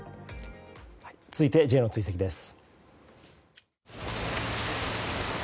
続いてＪの追跡です。